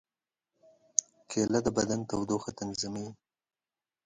کېله د بدن تودوخه تنظیموي.